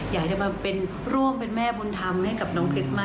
อยากจะมาร่วมเป็นแม่บุญธรรม